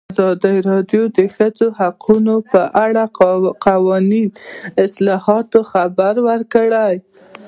ازادي راډیو د د ښځو حقونه په اړه د قانوني اصلاحاتو خبر ورکړی.